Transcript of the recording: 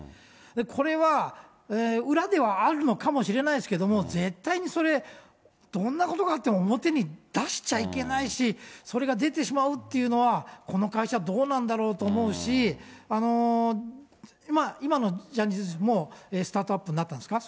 これは、裏ではあるのかもしれないですけど、絶対にそれ、どんなことがあっても表に出しちゃいけないし、それが出てしまうっていうのは、この会社どうなんだろうと思うし、今のジャニーズ事務所も、スタートアップになったんですか？